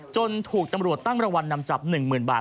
ถูกตำรวจตั้งรางวัลนำจับ๑๐๐๐บาท